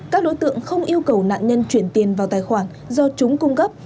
các đối tượng không yêu cầu nạn nhân chuyển tiền vào tài khoản do chúng cung cấp